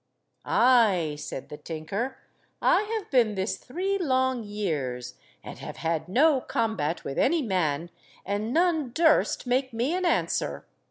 "Ay!" said the tinker, "I have been this three long years, and have had no combat with any man, and none durst make me an answer.